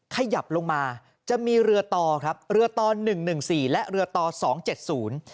ขยับลงมาจะมีเรือต่อครับเรือต่อหนึ่งหนึ่งสี่และเรือต่อสองเจ็ดศูนย์